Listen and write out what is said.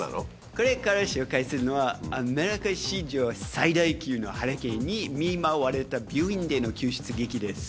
これから紹介するのは、アメリカ史上最大級のハリケーンに見舞われた病院での救出劇です。